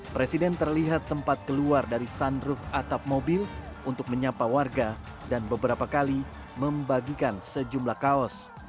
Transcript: presiden terlihat sempat keluar dari sunroof atap mobil untuk menyapa warga dan beberapa kali membagikan sejumlah kaos